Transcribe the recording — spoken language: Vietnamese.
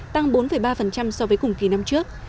tăng bốn ba so với cùng kỳ năm trước